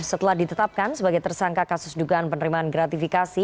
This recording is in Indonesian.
setelah ditetapkan sebagai tersangka kasus dugaan penerimaan gratifikasi